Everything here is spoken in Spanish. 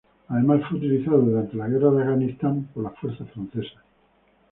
Además fue utilizado durante la guerra de Afganistán por las fuerzas francesas.